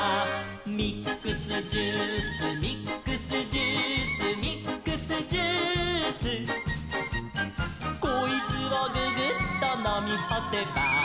「ミックスジュースミックスジュース」「ミックスジュース」「こいつをググッとのみほせば」